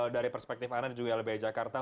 dari perspektif anda dan juga lbh jakarta